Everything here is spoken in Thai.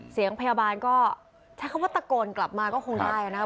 เสียงพยาบาลก็ใช้คำว่าตะโกนกลับมาก็คงได้นะครับ